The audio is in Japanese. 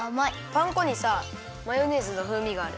パン粉にさマヨネーズのふうみがある。